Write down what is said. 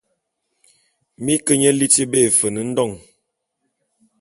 Mi ke nye liti be Efen-Ndon.